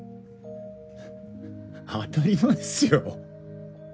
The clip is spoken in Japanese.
当たり前っすよ。